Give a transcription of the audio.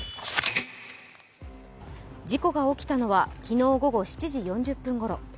事故が起きたのは昨日午後７時４０分ごろ。